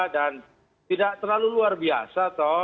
dan tidak terlalu luar biasa